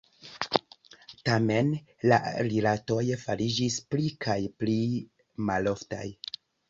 Tamen, la rilatoj fariĝis pli kaj pli maloftaj.